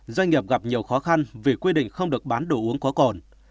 doanh nghiệp gặp nhiều khó khăn vì quy định không được bán đồ uống có cồn